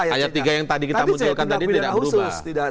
ayat tiga yang tadi kita munculkan tadi tidak berubah